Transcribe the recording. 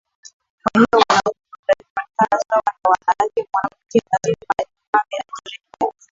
kwa hiyo wanaume hatakiwi kuonekana sawa na mwanamke mwanamke lazima ajipambe ajirembe